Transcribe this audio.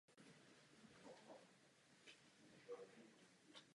Předsednictví včera tuto záležitost zvážilo.